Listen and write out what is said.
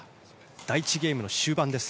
第１ゲームの終盤です。